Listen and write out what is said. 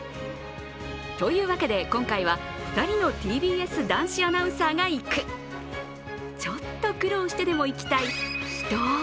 というわけで、今回は２人のＴＢＳ男子アナウンサーが行くちょっと苦労してでも行きたい秘湯。